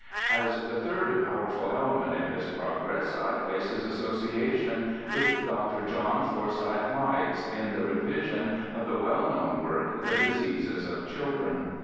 As the third powerful element in his progress I place his association with Dr. John Forsyth Meigs, in the revision of the well known work. The Diseases of Children.